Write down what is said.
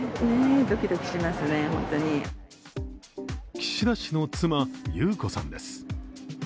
岸田氏の妻、裕子さんです。